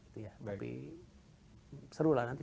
tapi seru lah nanti